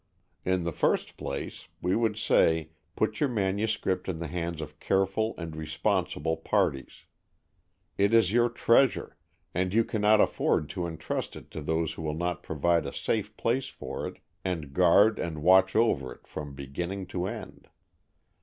In the first place, we would say, put your manuscript in the hands of careful and responsible parties. It is your treasure, and you cannot afford to entrust it to those who will not provide a safe place for it, and guard and watch over it from beginning to end.